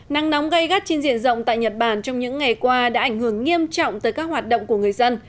nắng nóng gây gắt trên diện rộng tại nhật bản trong những ngày qua đã ảnh hưởng nghiêm trọng tới các hoạt động của người dân